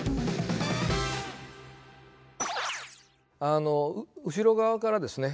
あの後ろ側からですね。